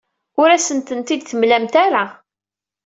Ur asen-tent-id-temlamt ara.